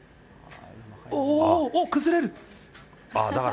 おお、おっ、崩れる。